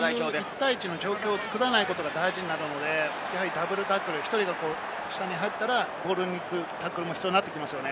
１対１の状況を作らないのが大事になるので、ダブルタックル、１人入ったらボールに行くタックルも必要になってきますね。